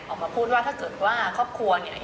ออกมาพูดว่าถ้าเกิดว่าครอบครัวเนี่ย